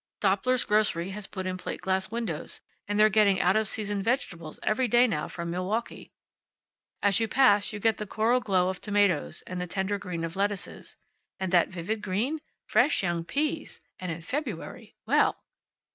Doeppler's grocery has put in plate glass windows, and they're getting out of season vegetables every day now from Milwaukee. As you pass you get the coral glow of tomatoes, and the tender green of lettuces. And that vivid green? Fresh young peas! And in February. Well!